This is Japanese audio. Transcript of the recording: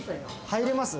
入れます。